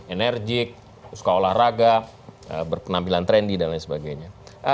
enerjik suka olahraga berpenampilan trendy dan lain sebagainya